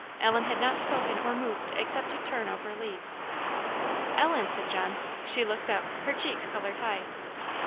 Ellen had not spoken or moved except to turn over leaves. "Ellen!" said John. She looked up her cheeks coloured high.